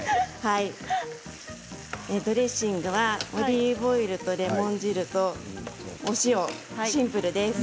ドレッシングはオリーブオイルとレモン汁とお塩シンプルです。